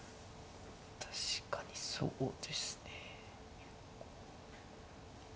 確かにそうですね。